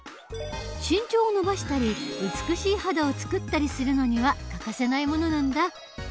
身長を伸ばしたり美しい肌をつくったりするのには欠かせないものなんだ。